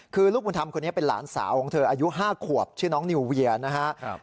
คือลูกบุญธรรมคนนี้เป็นหลานสาวของเธออายุ๕ขวบชื่อน้องนิวเวียนะครับ